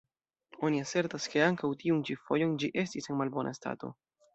Oni asertas, ke ankaŭ tiun ĉi fojon ĝi estis en malbona stato.